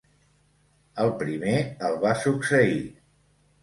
El primer el va succeir.